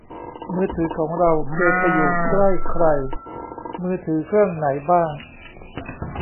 มือถือของเราเคยไปอยู่ใกล้ใครมือถือเครื่องไหนบ้าง